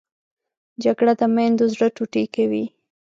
جګړه د میندو زړه ټوټې کوي